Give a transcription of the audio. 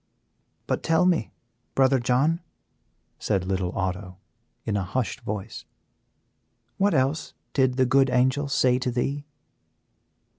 "But tell me, Brother John," said little Otto, in a hushed voice, "what else did the good Angel say to thee?"